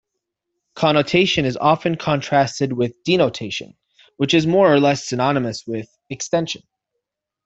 Connotation is often contrasted with "denotation", which is more or less synonymous with "extension".